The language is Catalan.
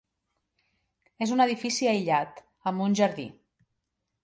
És un edifici aïllat, amb un jardí.